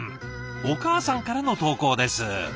お母さんからの投稿です。